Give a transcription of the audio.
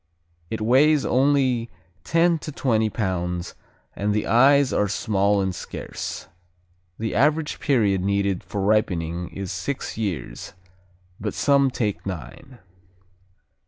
It weighs only ten to twenty pounds and the eyes are small and scarce. The average period needed for ripening is six years, but some take nine.